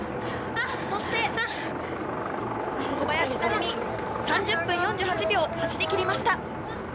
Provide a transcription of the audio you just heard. そして、小林成美、３０分４８秒、走りきりました。